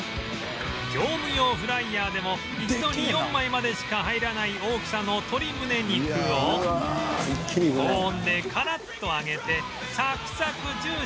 業務用フライヤーでも一度に４枚までしか入らない大きさの鶏むね肉を高温でカラッと揚げてサクサクジューシーに